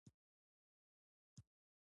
ډله ییز چلند باید فرد ته زیان ونه رسوي.